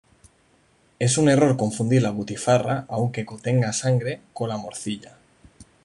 Es un error confundir la butifarra, aunque contenga sangre, con la morcilla.